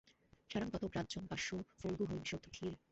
সারং ততো গ্রাহ্যমপাস্য ফল্গু হংসৈর্যথা ক্ষীরমিবাম্বুমধ্যাৎ।